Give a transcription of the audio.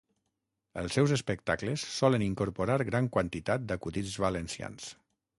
Els seus espectacles solen incorporar gran quantitat d'acudits valencians.